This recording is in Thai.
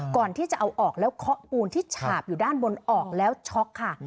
ก่อนที่จะเอาออกแล้วเคาะปูนที่ฉาบอยู่ด้านบนออกแล้วช็อกค่ะ